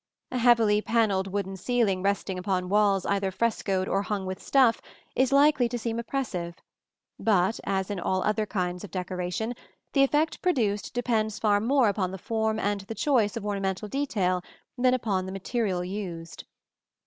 A heavily panelled wooden ceiling resting upon walls either frescoed or hung with stuff is likely to seem oppressive; but, as in all other kinds of decoration, the effect produced depends far more upon the form and the choice of ornamental detail than upon the material used.